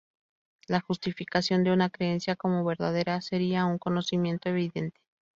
La justificación de una creencia como verdadera sería un conocimiento evidente.